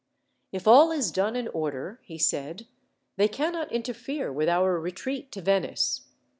"If all is done in order," he said, "they cannot interfere with our retreat to Venice.